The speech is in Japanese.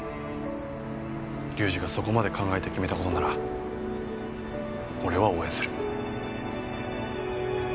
龍二がそこまで考えて決めた事なら俺は応援する。